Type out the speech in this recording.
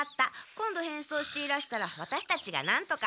今度変装していらしたらワタシたちがなんとか。